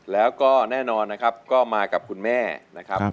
แล้วก็แน่นอนนะครับก็มากับคุณแม่นะครับ